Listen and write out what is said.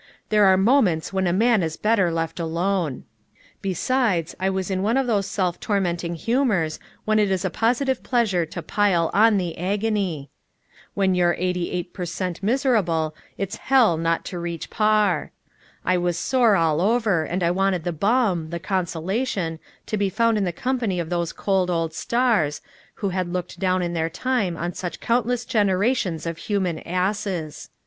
There are moments when a man is better left alone. Besides, I was in one of those self tormenting humors when it is a positive pleasure to pile on the agony. When you're eighty eight per cent. miserable it's hell not to reach par. I was sore all over, and I wanted the balm the consolation to be found in the company of those cold old stars, who had looked down in their time on such countless generations of human asses.